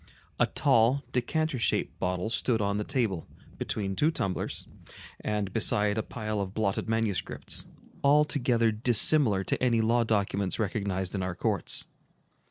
A tall, decanter shaped bottle stood on the table, between two tumblers, and beside a pile of blotted manuscripts, altogether dissimilar to any law documents recognized in our courts.